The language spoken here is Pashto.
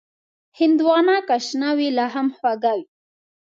هندوانه که شنه وي، لا هم خوږه وي.